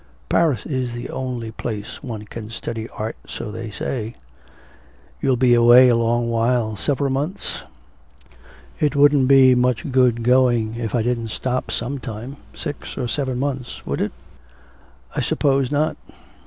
Paris is the only place one can study art, so they say.' 'You'll be away a long while several months?' 'It wouldn't be much good going if I didn't stop some time, six or seven months, would it?' 'I suppose not.'